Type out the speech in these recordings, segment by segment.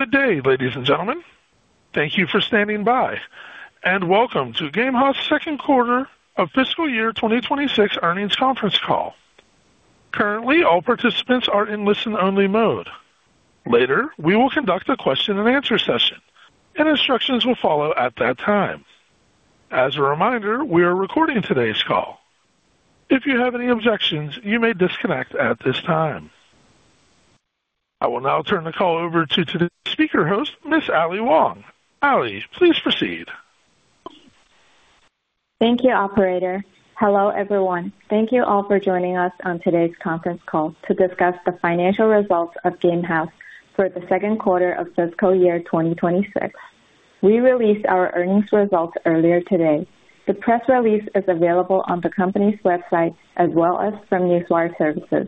Good day, ladies and gentlemen. Thank you for standing by, and welcome to Gamehaus second quarter of FY26 earnings conference call. Currently, all participants are in listen-only mode. Later, we will conduct a question and answer session, and instructions will follow at that time. As a reminder, we are recording today's call. If you have any objections, you may disconnect at this time. I will now turn the call over to today's Speaker Host, Miss Ally Wang. Ally, please proceed. Thank you, Operator. Hello, everyone. Thank you all for joining us on today's conference call to discuss the financial results of Gamehaus for the second quarter of FY26. We released our earnings results earlier today. The press release is available on the company's website as well as from newswire services.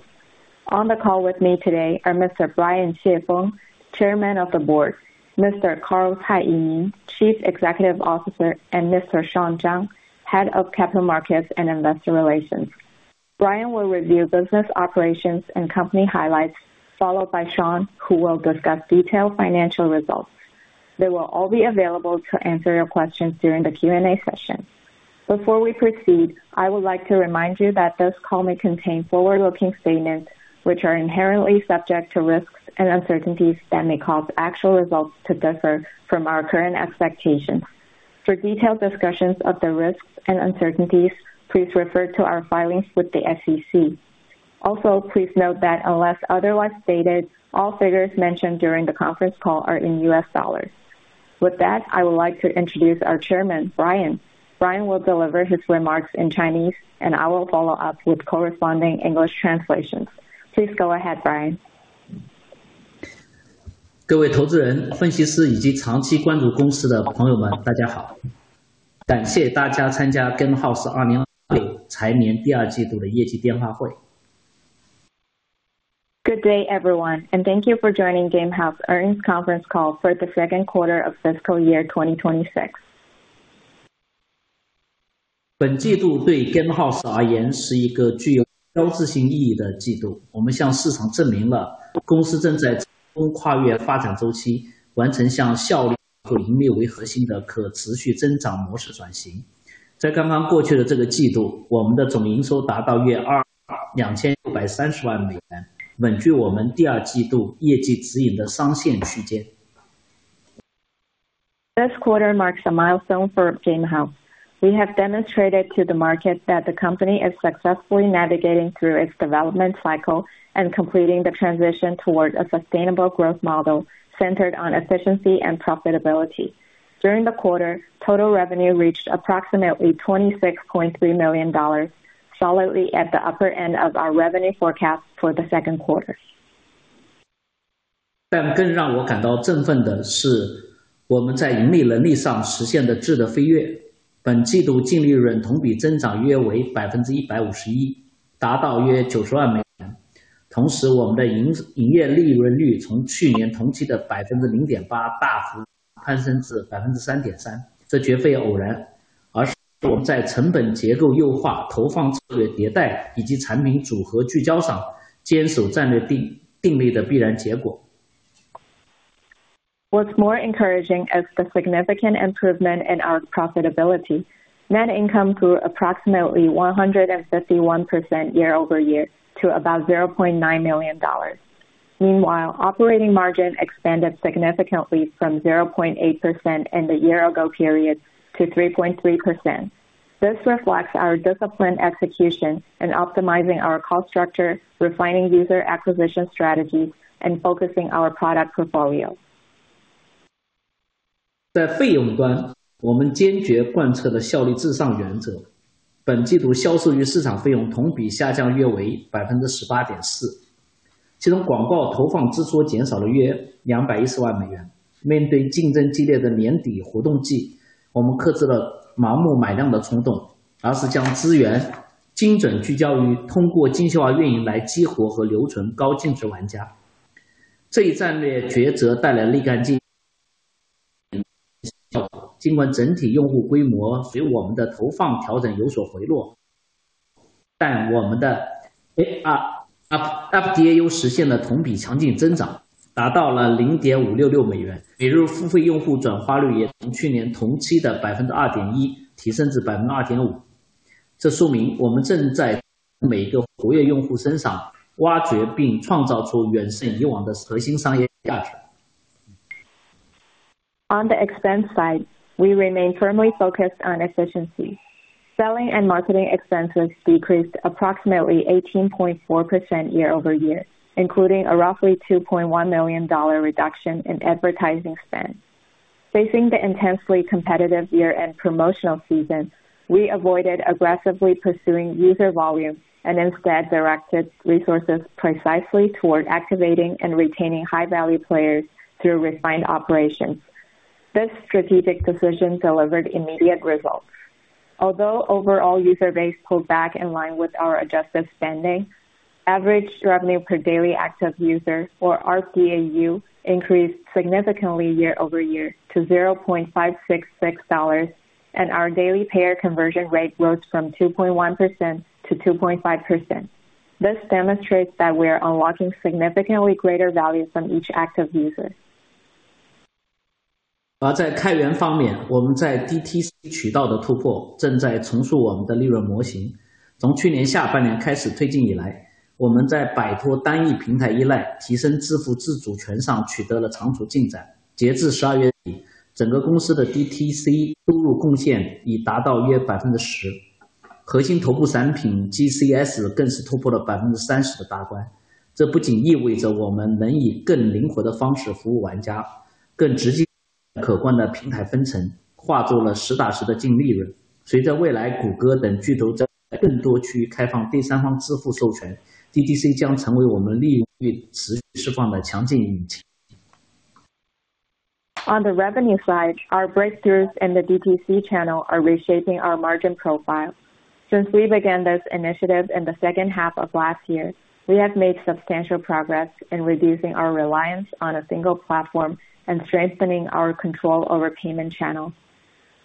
On the call with me today are Mr. Brian Xie Feng, Chairman of the Board, Mr. Carl Cai Yimin, Chief Executive Officer, and Mr. Shawn Zhang, Head of Capital Markets and Investor Relations. Brian will review business operations and company highlights, followed by Shawn, who will discuss detailed financial results. They will all be available to answer your questions during the Q&A session. Before we proceed, I would like to remind you that this call may contain forward-looking statements which are inherently subject to risks and uncertainties that may cause actual results to differ from our current expectations. For detailed discussions of the risks and uncertainties, please refer to our filings with the SEC. Also, please note that unless otherwise stated, all figures mentioned during the conference call are in U.S. dollars. With that, I would like to introduce our chairman, Brian. Brian will deliver his remarks in Chinese, and I will follow up with corresponding English translations. Please go ahead, Brian. Good day everyone, and thank you for joining Gamehaus Earnings Conference Call for the second quarter of FY26. This quarter marks a milestone for Gamehaus. We have demonstrated to the market that the company is successfully navigating through its development cycle and completing the transition toward a sustainable growth model centered on efficiency and profitability. During the quarter, total revenue reached approximately $26.3 million, solidly at the upper end of our revenue forecast for the second quarter. What's more encouraging is the significant improvement in our profitability. Net income grew approximately 151% year-over-year to about $0.9 million. Meanwhile, operating margin expanded significantly from 0.8% in the year ago period to 3.3%. This reflects our disciplined execution in optimizing our cost structure, refining user acquisition strategies, and focusing our product portfolio. On the expense side, we remain firmly focused on efficiency. Selling and marketing expenses decreased approximately 18.4% year-over-year, including a roughly $2.1 million reduction in advertising spend. Facing the intensely competitive year-end promotional season, we avoided aggressively pursuing user volume and instead directed resources precisely toward activating and retaining high-value players through refined operations. This strategic decision delivered immediate results. Although overall user base pulled back in line with our adjusted spending, average revenue per daily active user, or ARPDAU, increased significantly year-over-year to $0.566, and our daily payer conversion rate rose from 2.1% to 2.5%. This demonstrates that we are unlocking significantly greater value from each active user. On the revenue side, our breakthroughs in the DTC channel are reshaping our margin profile. Since we began this initiative in the second half of last year, we have made substantial progress in reducing our reliance on a single platform and strengthening our control over payment channels.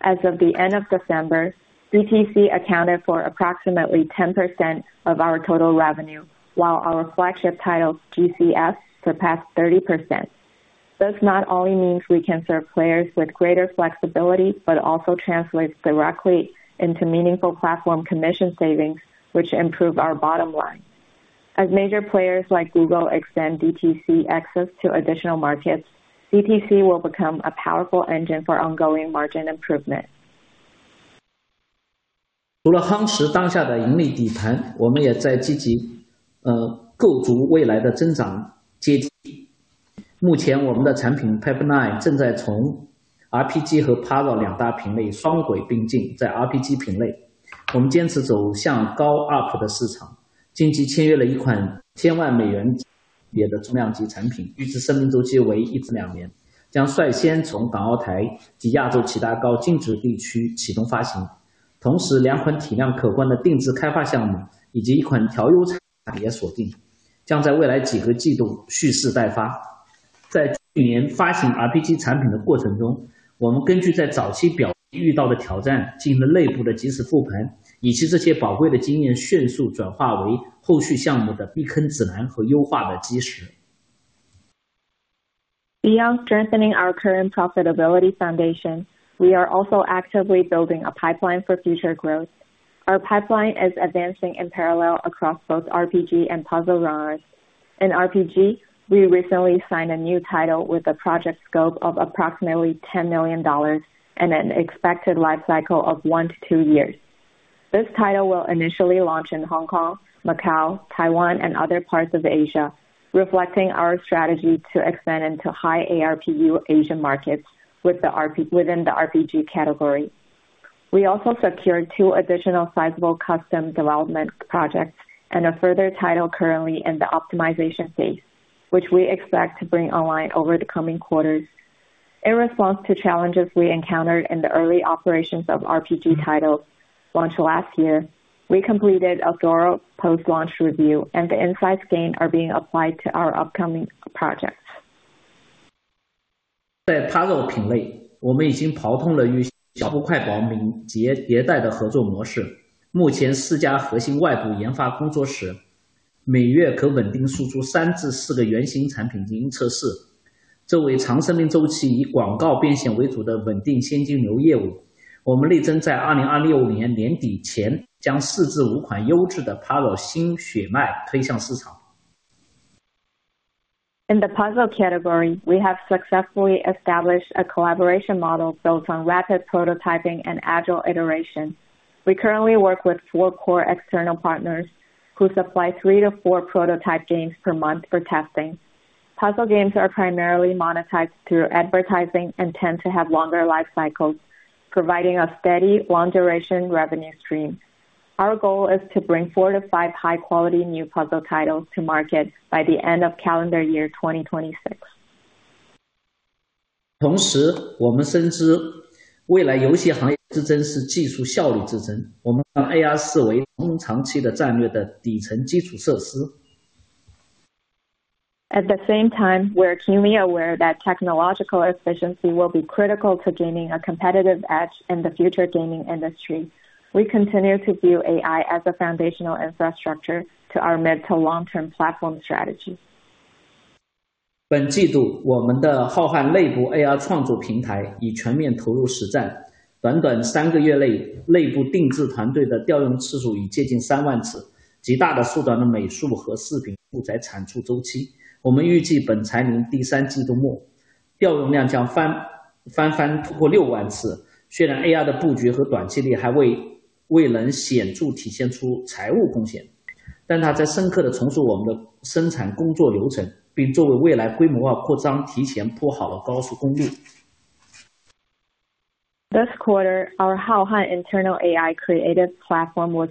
As of the end of December, DTC accounted for approximately 10% of our total revenue, while our flagship title GCS surpassed 30%. This not only means we can serve players with greater flexibility, but also translates directly into meaningful platform commission savings, which improve our bottom line. As major players like Google extend DTC access to additional markets, DTC will become a powerful engine for ongoing margin improvement. Beyond strengthening our current profitability foundation, we are also actively building a pipeline for future growth. Our pipeline is advancing in parallel across both RPG and Puzzle genres. In RPG, we recently signed a new title with a project scope of approximately $10 million and an expected life cycle of one to two years. This title will initially launch in Hong Kong, Macau, Taiwan, and other parts of Asia, reflecting our strategy to expand into high ARPU Asian markets with the RPG within the RPG category. We also secured two additional sizable custom development projects and a further title currently in the optimization phase, which we expect to bring online over the coming quarters. In response to challenges we encountered in the early operations of RPG titles launched last year, we completed a thorough post-launch review, and the insights gained are being applied to our upcoming projects. 在Puzzle品类，我们已经刨通了与小步快跑敏捷迭代的合作模式。目前私家核心外部研发工作室每月可稳定输出三至四个原型产品进行测试。作为长生命周期以广告变现为主的稳定现金流业务，我们力争在2026年年底前将四至五款优质的Puzzle新血脉推向市场。In the puzzle category, we have successfully established a collaboration model built on rapid prototyping and agile iteration. We currently work with four core external partners who supply three to four prototype games per month for testing. Puzzle games are primarily monetized through advertising and tend to have longer life cycles, providing a steady, long-duration revenue stream. Our goal is to bring four to five high-quality new puzzle titles to market by the end of calendar year 2026. 同时，我们深知未来游戏行业之争是技术效率之争，我们以AI为中长期的战略的底层基础设施。At the same time, we are keenly aware that technological efficiency will be critical to gaining a competitive edge in the future gaming industry. We continue to view AI as a foundational infrastructure to our mid- to long-term platform strategy. 本季度，我们的浩瀚内部AI创作平台已全面投入实战。短短三个月内，内部定制团队的调用次数已接近三万次，极大地缩短了美术和视频素材产出周期。我们预计本财年第三季度末，调用量将翻番，突破六万次。虽然AI的布局在短期内还未能显著体现出财务风险，但它在深刻地重塑我们的生产工作流程，并作为未来规模化扩张提前铺好了高速公路。This quarter, our Haohan internal AI creative platform was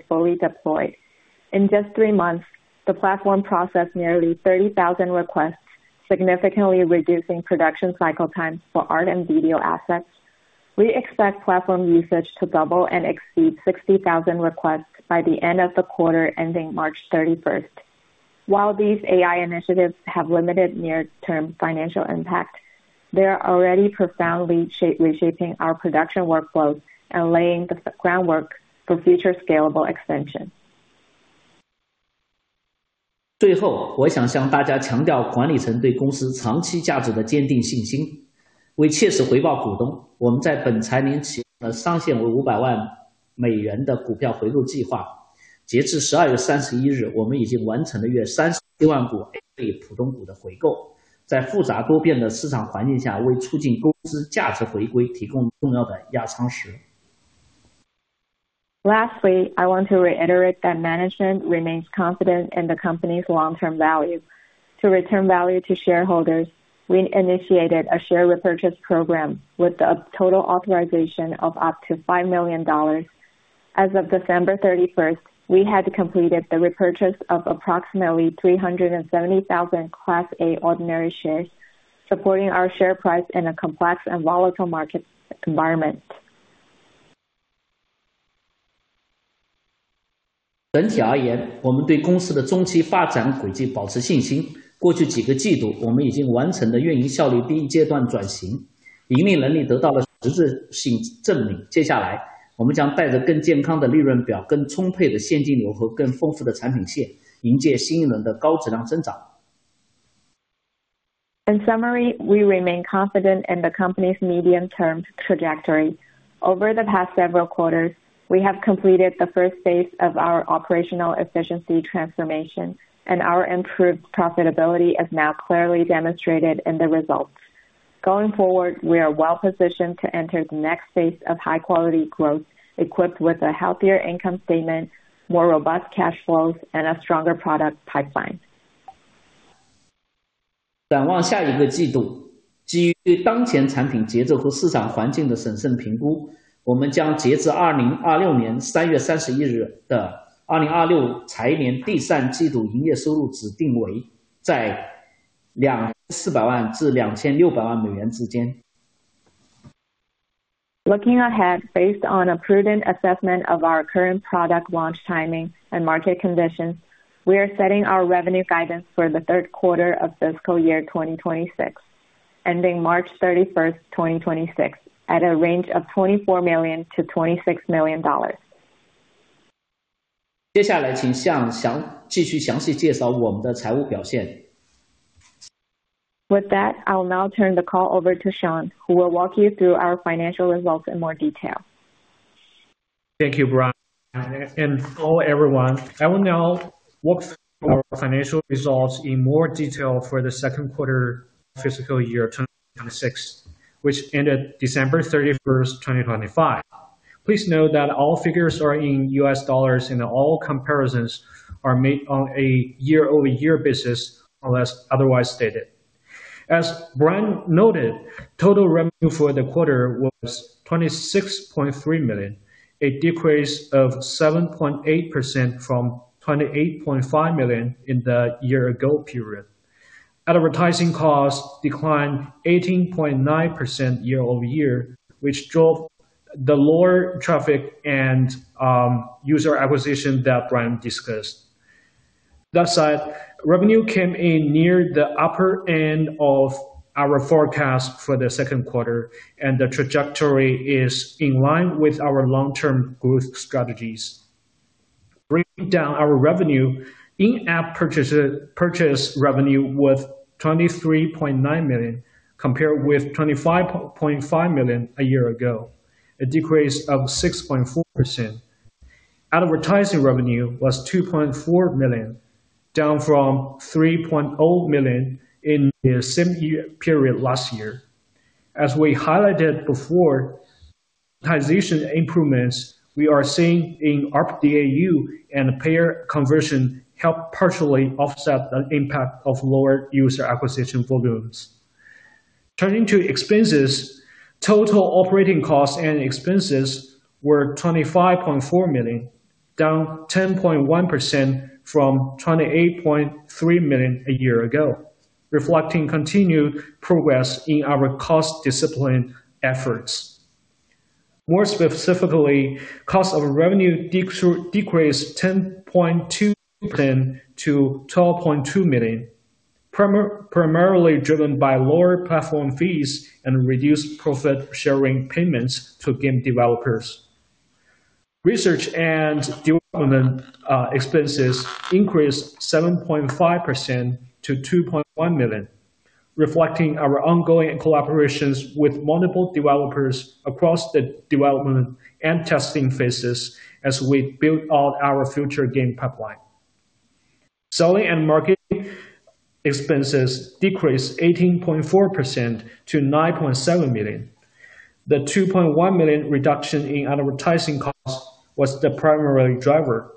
fully deployed. In just three months, the platform processed nearly 30,000 requests, significantly reducing production cycle times for art and video assets. We expect platform usage to double and exceed 60,000 requests by the end of the quarter ending March 31st. While these AI initiatives have limited near-term financial impact, they are already profoundly reshaping our production workflows and laying the groundwork for future scalable expansion. 最后，我想向大家强调管理层对公司长期价值的坚定信心。为切实回报股东，我们在本财年启动了上限为500万美元的股票回购计划。截至十二月三十一日，我们已经完成了约37万股A类普通股的回购。在复杂多变的市场环境下，为促进公司价值回归提供了重要的压舱石。Lastly, I want to reiterate that management remains confident in the company's long-term value. To return value to shareholders, we initiated a share repurchase program with the total authorization of up to $5 million. As of December 31st, we had completed the repurchase of approximately 370,000 Class A ordinary shares, supporting our share price in a complex and volatile market environment. 整体而言，我们对公司的中期发展轨迹保持信心。过去几个季度，我们已经完成了运营效率第一阶段转型，盈利能力得到了实质性证明。接下来，我们将带着更健康的利润表、更充沛的现金流和更丰富的产品线，迎接新一轮的高质量增长。In summary, we remain confident in the company's medium-term trajectory. Over the past several quarters, we have completed the first phase of our operational efficiency transformation, and our improved profitability is now clearly demonstrated in the results. Going forward, we are well-positioned to enter the next phase of high-quality growth, equipped with a healthier income statement, more robust cash flows, and a stronger product pipeline. 展望下一个季度，基于对当前产品节奏和市场环境的审慎评估，我们将截至2026年3月31日的2026财年第三季度营业收入指定为在$2,400万至$2,600万美元之间。Looking ahead, based on a prudent assessment of our current product launch timing and market conditions, we are setting our revenue guidance for the third quarter of FY26, ending March 31st, 2026, at a range of $24 million-$26 million. 接下来请Shawn继续详细介绍我们的财务表现。With that, I will now turn the call over to Shawn, who will walk you through our financial results in more detail. Thank you, Brian, and hello everyone. I will now walk through our financial results in more detail for the second quarter FY26, which ended December 31st, 2025. Please note that all figures are in US dollars, and all comparisons are made on a year-over-year basis, unless otherwise stated. As Brian noted, total revenue for the quarter was $26.3 million, a decrease of 7.8% from $28.5 million in the year-ago period. Advertising costs declined 18.9% year-over-year, which drove the lower traffic and user acquisition that Brian discussed. That said, revenue came in near the upper end of our forecast for the second quarter, and the trajectory is in line with our long-term growth strategies. Breaking down our revenue, in-app purchase revenue was $23.9 million, compared with $25.5 million a year ago, a decrease of 6.4%. Advertising revenue was $2.4 million, down from $3.0 million in the same period last year. As we highlighted before, transition improvements we are seeing in ARPDAU and payer conversion helped partially offset the impact of lower user acquisition volumes. Turning to expenses, total operating costs and expenses were $25.4 million, down 10.1% from $28.3 million a year ago, reflecting continued progress in our cost discipline efforts. More specifically, cost of revenue decreased 10.2% to $12.2 million, primarily driven by lower platform fees and reduced profit-sharing payments to game developers. Research and development expenses increased 7.5% to $2.1 million, reflecting our ongoing collaborations with multiple developers across the development and testing phases as we build out our future game pipeline. Selling and marketing expenses decreased 18.4% to $9.7 million. The $2.1 million reduction in advertising costs was the primary driver,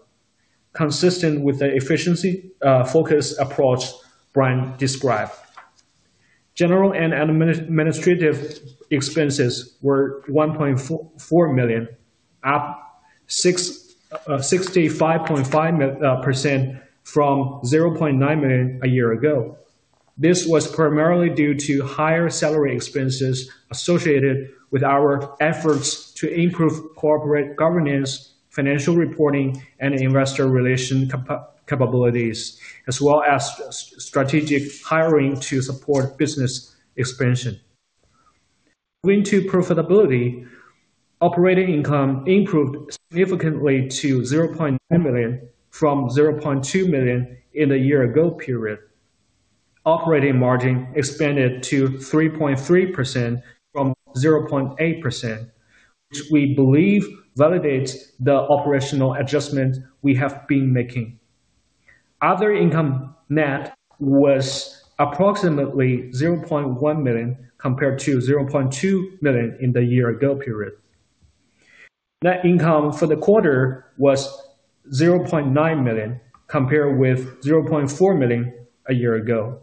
consistent with the efficiency focused approach Brian described. General and administrative expenses were $1.4 million, up 65.5% from $0.9 million a year ago. This was primarily due to higher salary expenses associated with our efforts to improve corporate governance, financial reporting, and investor relations capabilities, as well as strategic hiring to support business expansion. Going to profitability, operating income improved significantly to $0.9 million from $0.2 million in the year-ago period. Operating margin expanded to 3.3% from 0.8%, which we believe validates the operational adjustments we have been making. Other income net was approximately $0.1 million, compared to $0.2 million in the year-ago period. Net income for the quarter was $0.9 million, compared with $0.4 million a year ago.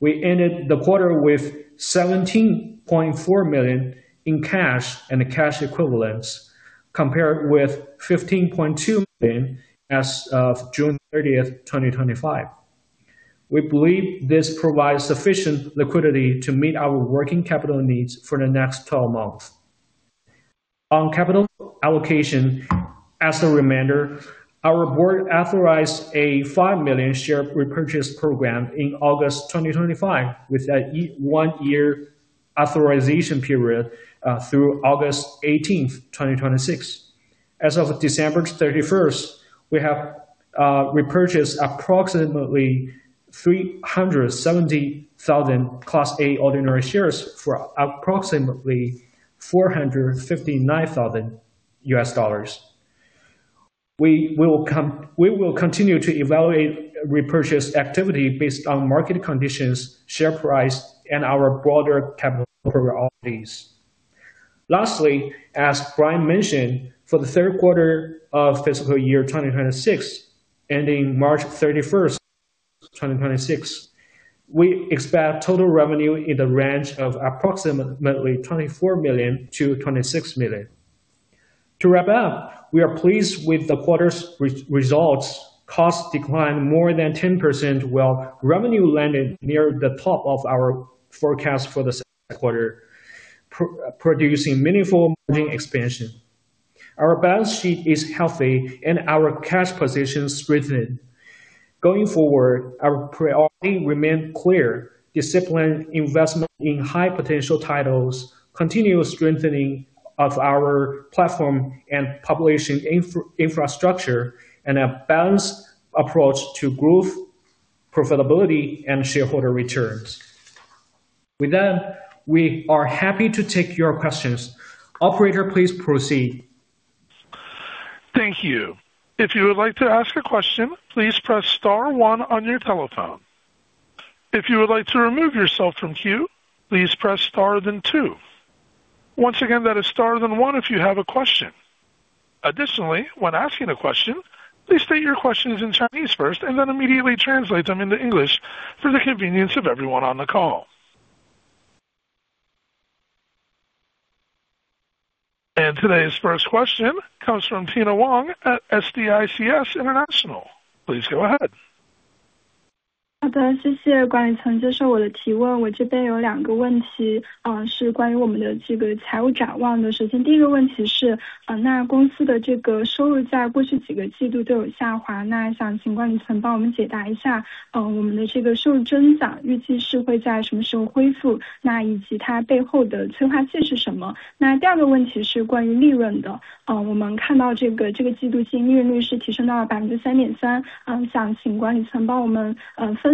We ended the quarter with $17.4 million in cash and cash equivalents, compared with $15.2 million as of June 30th, 2025. We believe this provides sufficient liquidity to meet our working capital needs for the next 12 months. On capital allocation, as a reminder, our board authorized a 5 million share repurchase program in August 2025, with a one-year authorization period, through August 18, 2026. As of December 31st, we have repurchased approximately 370,000 Class A ordinary shares for approximately $459,000. We will continue to evaluate repurchase activity based on market conditions, share price, and our broader capital priorities. Lastly, as Brian mentioned, for the third quarter of FY26, ending March 31st, 2026, we expect total revenue in the range of approximately $24 million-$26 million. To wrap up, we are pleased with the quarter's results. Costs declined more than 10%, while revenue landed near the top of our forecast for the quarter, producing meaningful margin expansion. Our balance sheet is healthy and our cash position strengthened. Going forward, our priority remains clear, disciplined investment in high-potential titles, continuous strengthening of our platform and publishing infrastructure, and a balanced approach to growth, profitability, and shareholder returns. With that, we are happy to take your questions. Operator, please proceed. Thank you. If you would like to ask a question, please press star one on your telephone. If you would like to remove yourself from queue, please press star then two. Once again, that is star then one if you have a question. Additionally, when asking a question, please state your questions in Chinese first, and then immediately translate them into English for the convenience of everyone on the call. Today's first question comes from Tina Wong at SDIC Securities International. Please go ahead. 好的，谢谢管理层接受我的提问。我这边有两个问题，是关于我们的这个财务展望的。首先第一个问题是，那公司的这个收入在过去几个季度都有下滑，那想请管理层帮我们解答一下，我们的这个收入增长预计是会在什么时候恢复，以及它背后的催化剂是什么？那第二个问题是关于利润的。我们看到这个季度净利润率是提升到了3.3%，想请管理层帮我们分析一下，就是未来的这个利润率趋势，尤其是在我们的这个新产品上线之后，这个营销投入加大以后，我们的这个净利润率会是怎么样的一个表现？我自己翻译一下。Thanks,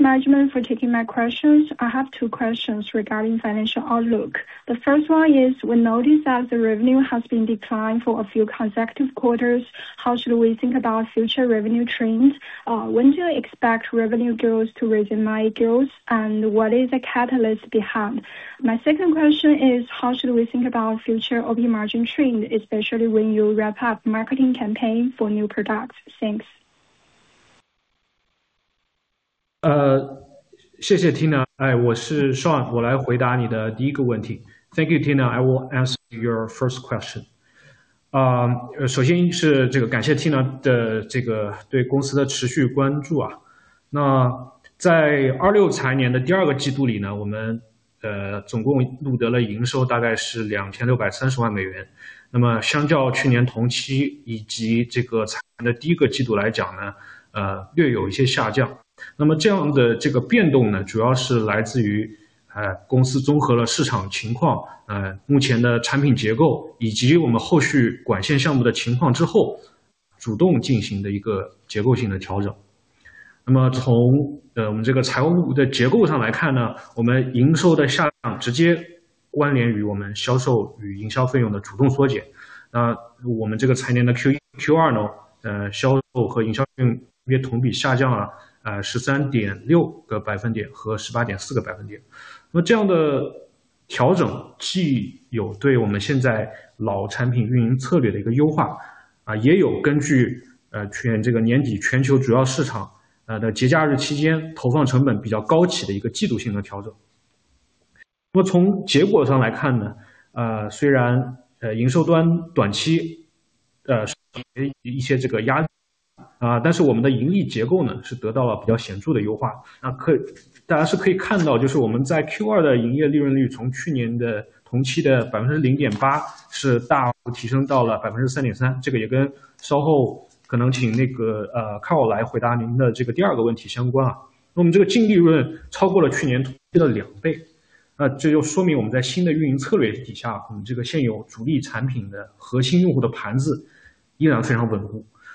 management, for taking my questions. I have two questions regarding financial outlook. The first one is, we noticed that the revenue has been declined for a few consecutive quarters. How should we think about future revenue trends? When do you expect revenue growth to resume, and what is the catalyst behind? My second question is: how should we think about future OP margin trend, especially when you wrap up marketing campaign for new products? Thanks. Thank you, Tina. I am Shawn. I will answer your first question.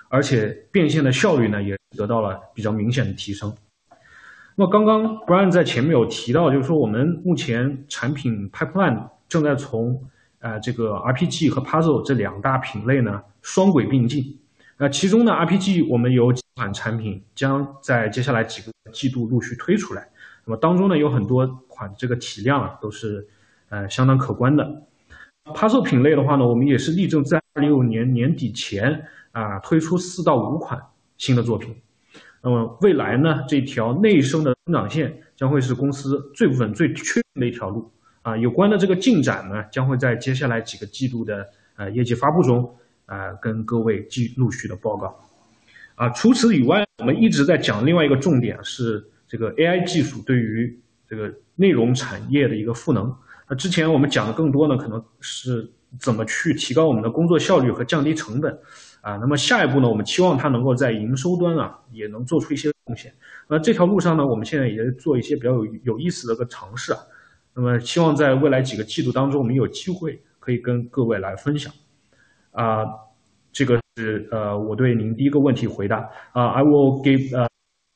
调整既有对我们现在老产品运营策略的一个优化，也有根据全球，这个年底全球主要市场的节假日期间投放成本比较高企的一个季度性的调整。那么从结果上来看，虽然营收端短期有一些这个压力，但是我们的盈利结构呢，是得到了比较显著的优化。当然是可以看到，就是我们在Q2的营业利润率从去年的同期的0.8%是大幅提升到了3.3%，这个也跟稍后可能请Carl来回答您的这个第二个问题相关。那么我们这个净利润超过了去年同期的两倍，那这就说明我们在新的运营策略底下，我们这个现有主力产品的核心用户的盘子依然非常稳固，而且变现的效率呢，也得到了比较明显的提升。那么刚刚Brian在前面有提到，就是说我们目前产品pipeline正在从这个RPG和Puzzle这两大品类呢双轨并进。那其中的RPG我们有几款产品将在接下来几个季度陆续推出来，那么当中呢，有很多款这个体量，都是相当可观的。Puzzle品类的话呢，我们也是力争在2025年年底前，推出四到五款新的作品。那么未来呢，这条内生的增长线将会是公司最稳最确的一条路。有关的这个进展呢，将会在接下来几个季度的业绩发布中，跟各位继续陆续的报告。除此以外，我们一直在讲另外一个重点是这个AI技术对于这个内容产业的一个赋能。那之前我们讲的更多呢，可能是怎么去提高我们的工作效率和降低成本。那么下一步呢，我们期望它能够在营收端也能做出一些贡献。那这条路上呢，我们现在也在做一些比较有意思的尝试，那么希望在未来几个季度当中，我们有机会可以跟各位来分享。这个是我对您第一个问题的回答。I will give the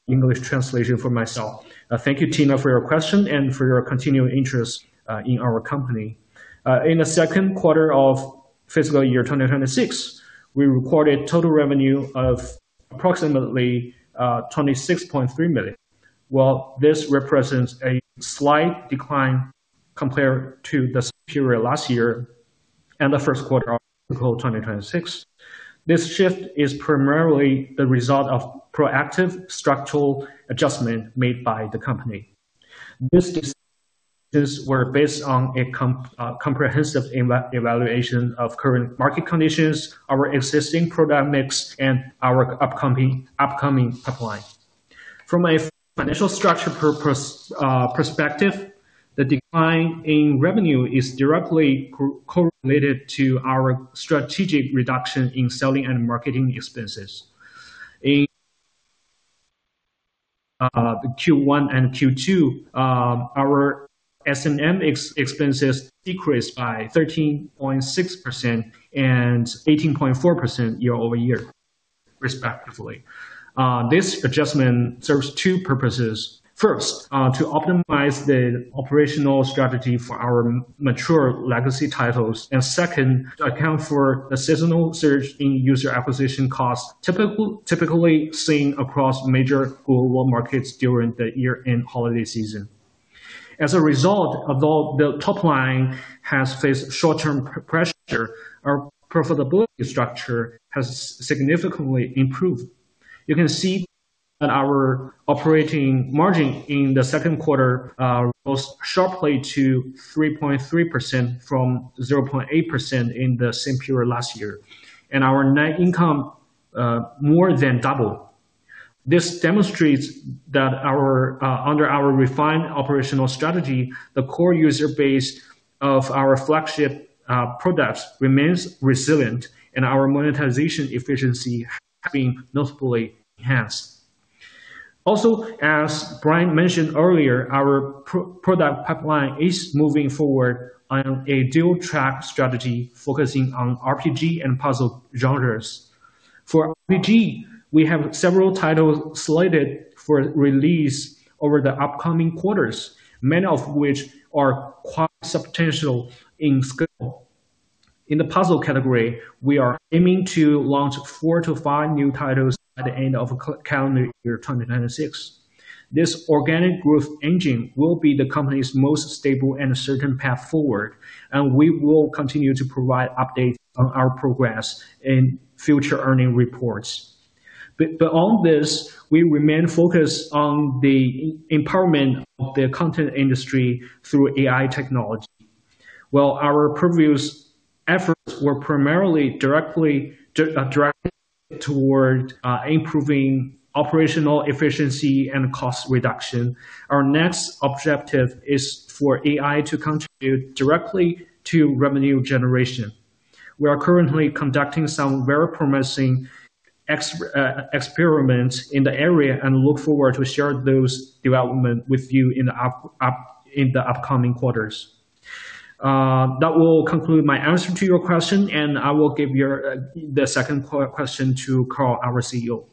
English translation for myself. Thank you, Tina, for your question and for your continuing interest in our company. In the second quarter of FY26, we recorded total revenue of approximately $26.3 billion, while this represents a slight decline compared to the same period last year and the first quarter of fiscal 2026. This shift is primarily the result of proactive structural adjustment made by the company. These decisions were based on a comprehensive evaluation of current market conditions, our existing product mix, and our upcoming pipeline. From a financial perspective, the decline in revenue is directly correlated to our strategic reduction in selling and marketing expenses. In Q1 and Q2, our S&M expenses decreased by 13.6% and 18.4% year-over-year respectively. This adjustment serves two purposes. First, to optimize the operational strategy for our mature legacy titles. Second, to account for a seasonal surge in user acquisition costs typically seen across major global markets during the year-end holiday season. As a result, although the top line has faced short-term pressure, our profitability structure has significantly improved. You can see that our operating margin in the second quarter rose sharply to 3.3% from 0.8% in the same period last year. Our net income more than doubled. This demonstrates that, under our refined operational strategy, the core user base of our flagship products remains resilient and our monetization efficiency has been notably enhanced. Also, as Brian mentioned earlier, our product pipeline is moving forward on a dual-track strategy focusing on RPG and puzzle genres. For RPG, we have several titles slated for release over the upcoming quarters, many of which are quite substantial in scope. In the puzzle category, we are aiming to launch four to five new titles by the end of calendar year 2026. This organic growth engine will be the company's most stable and certain path forward, and we will continue to provide updates on our progress in future earnings reports. Beyond this, we remain focused on the empowerment of the content industry through AI technology. While our previous efforts were primarily directly toward improving operational efficiency and cost reduction, our next objective is for AI to contribute directly to revenue generation. We are currently conducting some very promising experiments in the area and look forward to share those development with you in the upcoming quarters. That will conclude my answer to your question, and I will give you the second question to Carl, our CEO.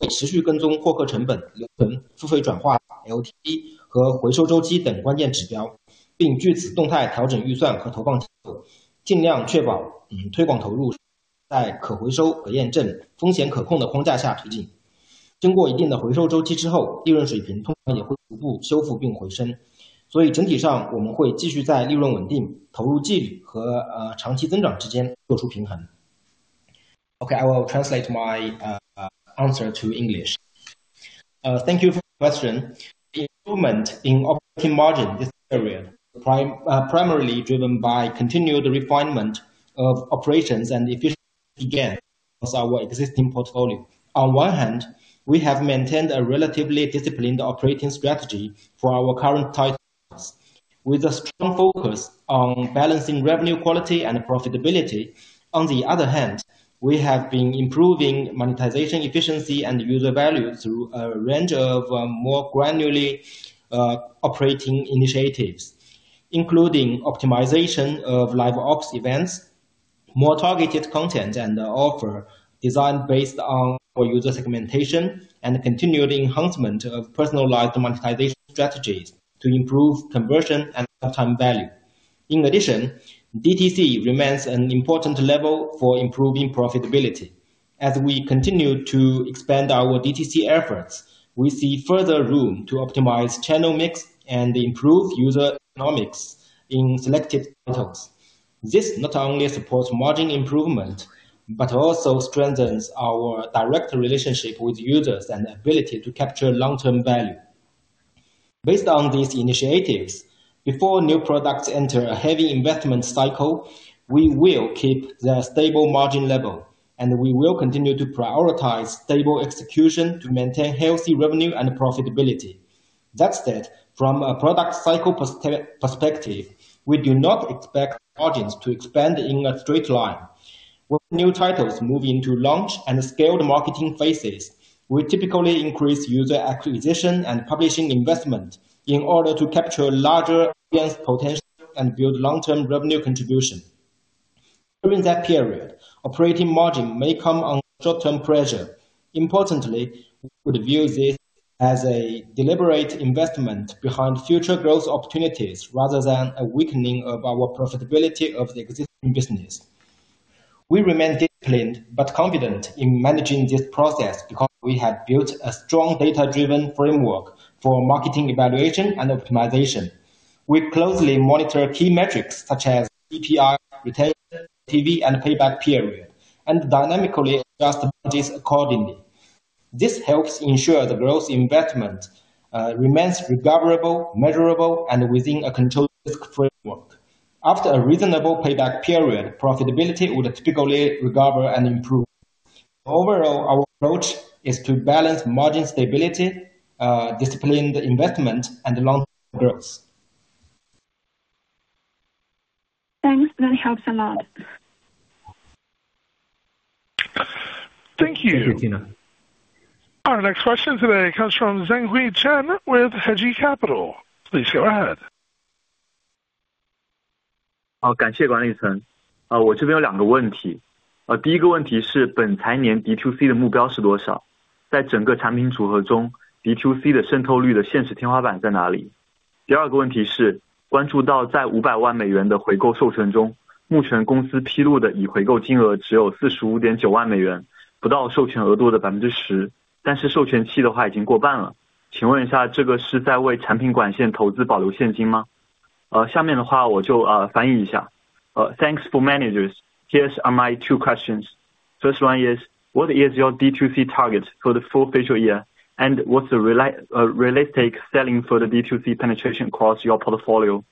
Okay, I will translate my answer to English. Thank you for the question. The improvement in operating margin this period primarily driven by continued refinement of operations and efficiency gains in our existing portfolio. On one hand, we have maintained a relatively disciplined operating strategy for our current titles with a strong focus on balancing revenue quality and profitability. On the other hand, we have been improving monetization efficiency and user value through a range of more granularly operating initiatives, including optimization of live ops events, more targeted content, and offer design based on user segmentation and continued enhancement of personalized monetization strategies to improve conversion and lifetime value. In addition, DTC remains an important lever for improving profitability. As we continue to expand our DTC efforts, we see further room to optimize channel mix and improve user economics in selected titles. This not only supports margin improvement, but also strengthens our direct relationship with users and ability to capture long term value. Based on these initiatives, before new products enter a heavy investment cycle, we will keep their stable margin level, and we will continue to prioritize stable execution to maintain healthy revenue and profitability. That said, from a product cycle perspective, we do not expect margins to expand in a straight line. When new titles move into launch and scaled marketing phases, we typically increase user acquisition and publishing investment in order to capture larger audience potential and build long term revenue contribution. During that period, operating margin may come under short term pressure. Importantly, we would view this as a deliberate investment behind future growth opportunities, rather than a weakening of our profitability of the existing business. We remain disciplined but confident in managing this process because we have built a strong, data-driven framework for marketing evaluation and optimization. We closely monitor key metrics such as CPI, retention, LTV, and payback period, and dynamically adjust budgets accordingly. This helps ensure the growth investment remains recoverable, measurable, and within a controlled risk framework. After a reasonable payback period, profitability would typically recover and improve. Overall, our approach is to balance margin stability, disciplined investment, and long-term growth. Thanks. That helps a lot. Thank you. Thank you, Tina. Our next question today comes from Zheng Hui Chen with Hegel Capital. Please go ahead. 好，感谢管理层。我这边有两个问题，第一个问题是本财年D2C的目标是多少？在整个产品组合中，D2C的渗透率的现实天花板在哪里？第二个问题是关注到在$500万的回购授权中，目前公司披露的已回购金额只有$45.9万，不到授权额度的10%，但是授权期已经过半了。请问一下，这个是在为产品管线投资保留现金吗？下面的话我就翻译一下。Thanks for managers. Here are my two questions. First one is what is your D2C targets for the full fiscal year? What's the realistic ceiling for the D2C penetration across your portfolio?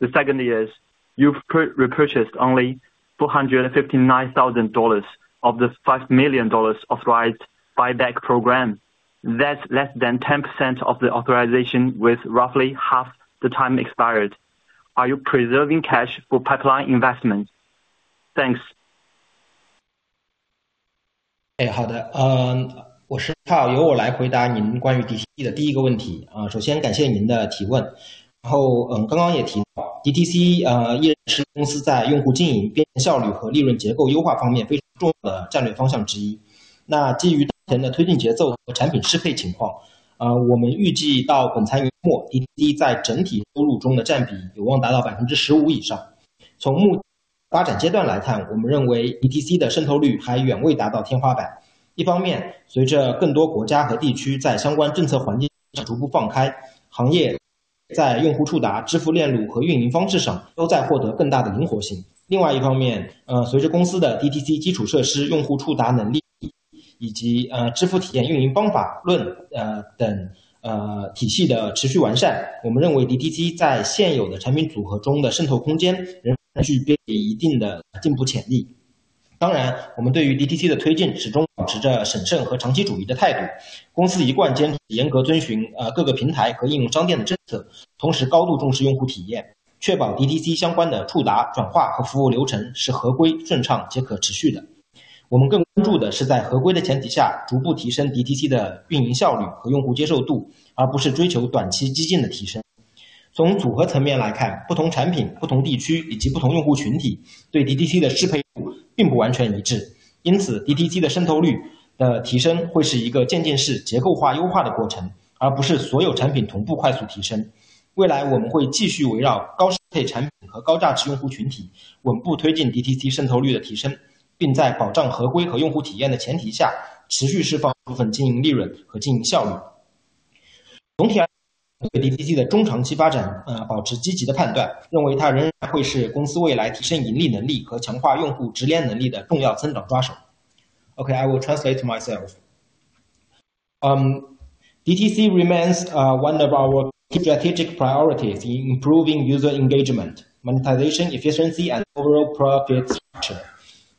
The second is you've repurchased only $459,000 of the $5 million authorized buyback program. That's less than 10% of the authorization with roughly half the time expired. Are you preserving cash for pipeline investment? Thanks. remains one of our strategic priorities in improving user engagement, monetization, efficiency, and overall profit structure.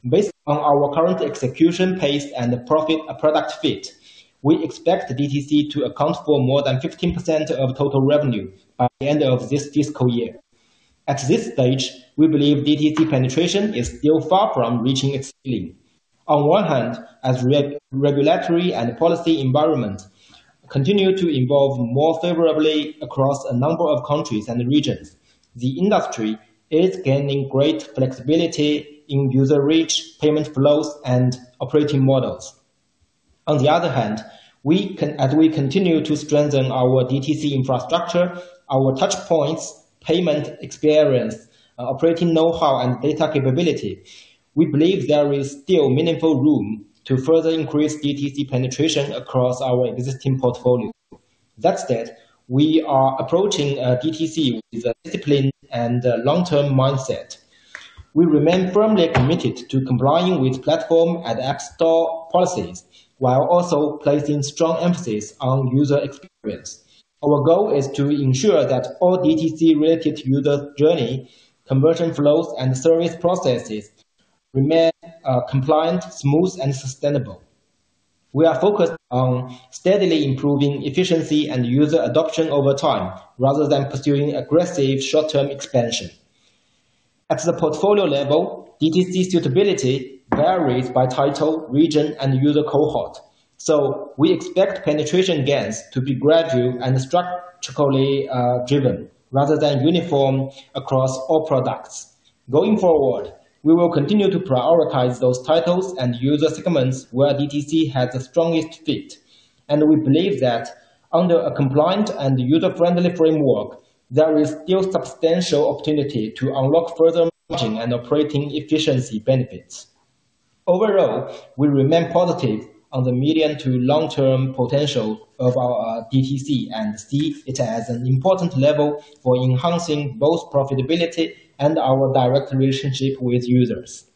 Based on our current execution pace and product-market fit, we expect DTC to account for more than 15% of total revenue by the end of this fiscal year. At this stage, we believe DTC penetration is still far from reaching its limit. On one hand, as regulatory and policy environment continue to evolve more favorably across a number of countries and regions, the industry is gaining great flexibility in user reach, payment flows and operating models. On the other hand, we can, as we continue to strengthen our DTC infrastructure, our touch points, payment experience, operating know-how and data capability. We believe there is still meaningful room to further increase DTC penetration across our existing portfolio. That said, we are approaching DTC with a disciplined and long-term mindset. We remain firmly committed to complying with platform and app store policies, while also placing strong emphasis on user experience. Our goal is to ensure that all DTC-related user journey, conversion flows and service processes remain compliant, smooth and sustainable. We are focused on steadily improving efficiency and user adoption over time, rather than pursuing aggressive short-term expansion. At the portfolio level, DTC suitability varies by title, region, and user cohort, so we expect penetration gains to be gradual and structurally driven rather than uniform across all products. Going forward, we will continue to prioritize those titles and user segments where DTC has the strongest fit, and we believe that under a compliant and user-friendly framework, there is still substantial opportunity to unlock further margin and operating efficiency benefits. Overall, we remain positive on the medium to long-term potential of our DTC and see it as an important level for enhancing both profitability and our direct relationship with users.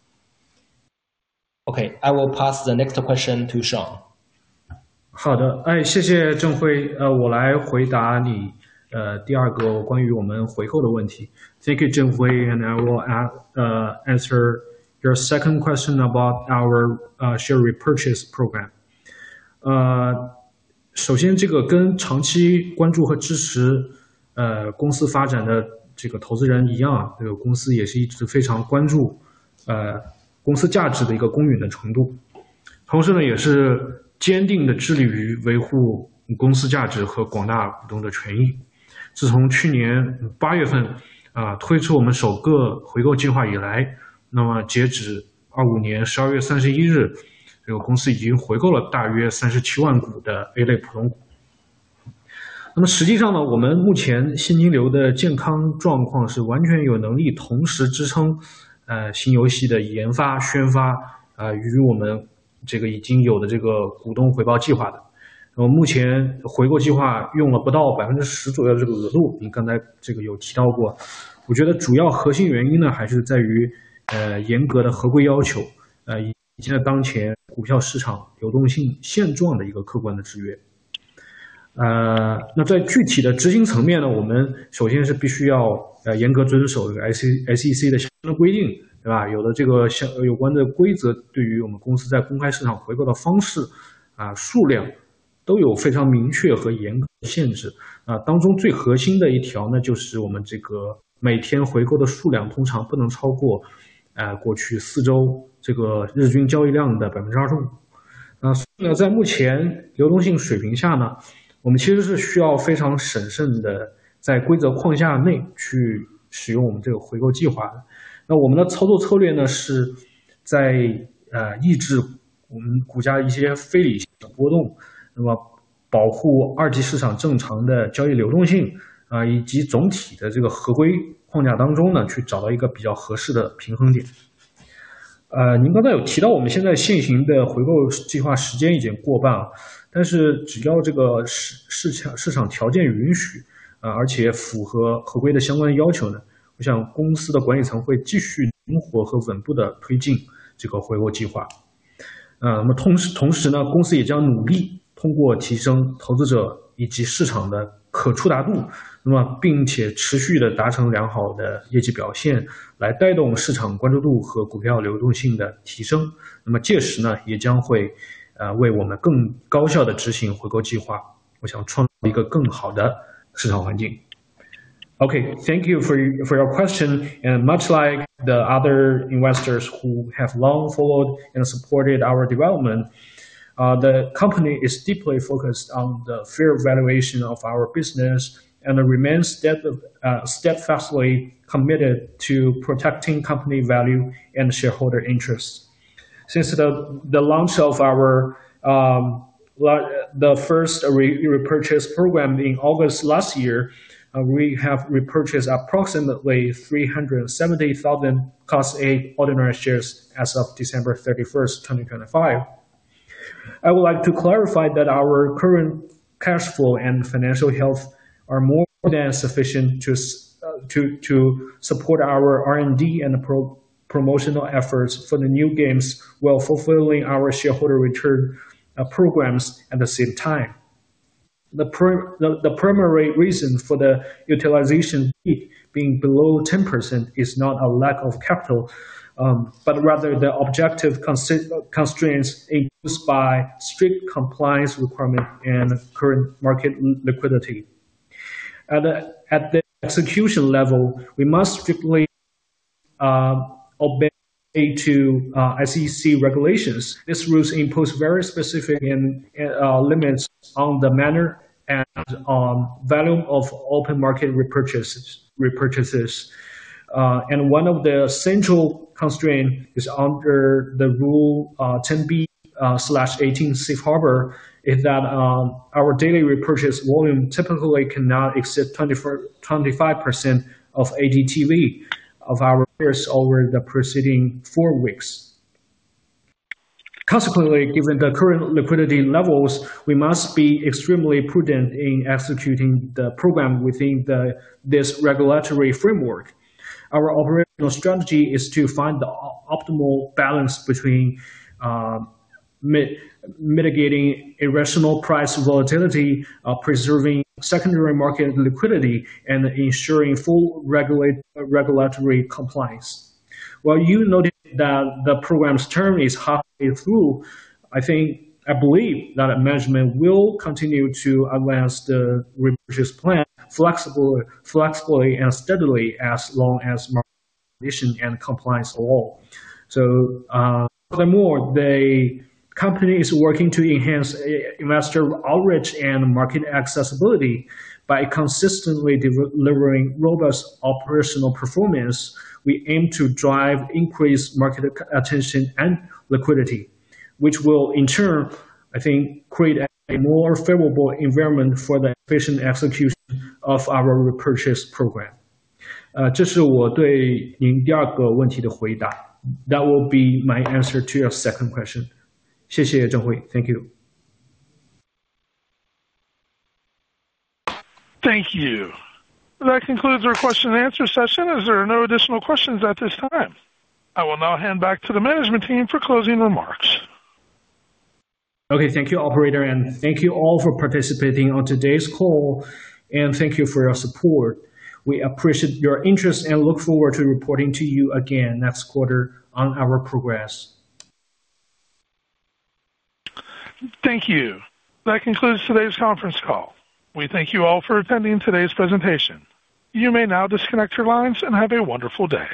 Okay, I will pass the next question to Shawn. Thank you, Zheng Hui. I will answer your second question about our share repurchase program. Okay, thank you for your question and much like the other investors who have long followed and supported our development, the company is deeply focused on the fair valuation of our business and remains steadfastly committed to protecting company value and shareholder interests. Since the launch of our first repurchase program in August last year, we have repurchased approximately 370,000 Class A ordinary shares as of December 31st, 2025. I would like to clarify that our current cash flow and financial health are more than sufficient to support our R&D and promotional efforts for the new games, while fulfilling our shareholder return programs at the same time. The primary reason for the utilization being below 10% is not a lack of capital, but rather the objective constraints induced by strict compliance requirements and current market liquidity. At the execution level, we must strictly adhere to SEC regulations. These rules impose very specific limits on the manner and volume of open market repurchases. One of the essential constraints is under the Rule 10b-18 safe harbor that our daily repurchase volume typically cannot exceed 25% of ADTV of our shares over the preceding four weeks. Consequently, given the current liquidity levels, we must be extremely prudent in executing the program within this regulatory framework. Our operational strategy is to find the optimal balance between mitigating irrational price volatility, preserving secondary market liquidity, and ensuring full regulatory compliance. While you noted that the program's term is halfway through, I believe that management will continue to advance the repurchase plan flexibly and steadily as long as market conditions and compliance allow. Furthermore, the company is working to enhance investor outreach and market accessibility by consistently delivering robust operational performance, we aim to drive increased market attention and liquidity, which will in turn create a more favorable environment for the efficient execution of our repurchase program. That will be my answer to your second question. Thank you, Zheng Hui Chen. Thank you. That concludes our question and answer session, as there are no additional questions at this time. I will now hand back to the management team for closing remarks. Okay, thank you operator and thank you all for participating on today's call and thank you for your support. We appreciate your interest and look forward to reporting to you again next quarter on our progress. Thank you. That concludes today's conference call. We thank you all for attending today's presentation. You may now disconnect your lines and have a wonderful day.